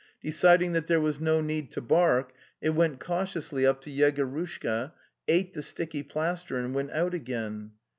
De ciding that there was no need to bark, it went cau tiously up to Yegorushka, ate the sticky plaster and went out again.